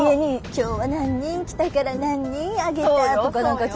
「今日は何人来たから何人上げた」とか何か。